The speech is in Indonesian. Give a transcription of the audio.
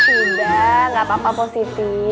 tidak enggak apa apa pos siti